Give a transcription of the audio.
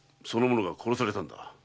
その者が殺されたのだ。